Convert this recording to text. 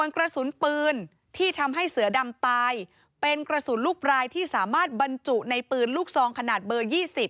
กระสุนลูกรายที่สามารถบรรจุในปืนลูกซองขนาดเบอร์๒๐